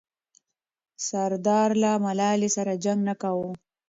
سردارو له ملالۍ سره جنګ نه کاوه.